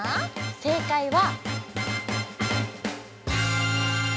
正解は。